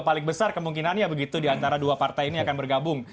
paling besar kemungkinannya begitu diantara dua partai ini akan bergabung